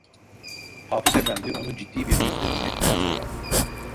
Hafız efendi, onu ciddi bir yüzle dinledikten sonra: